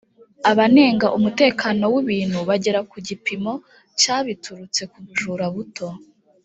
abanenga umutekano w ibintu bagera ku gipimo cya biturutse ku bujura buto